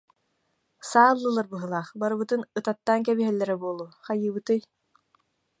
Саа ыллылар быһыылаах, барыбытын ытаттаан кэбиһэллэрэ буолуо, хайыыбытый